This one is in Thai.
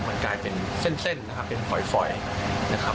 มันกลายเป็นเส้นนะครับเป็นฝอยนะครับ